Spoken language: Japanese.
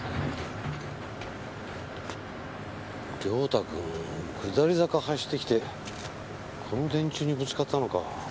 良太君下り坂走ってきてこの電柱にぶつかったのか。